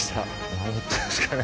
何言ってんですかね・・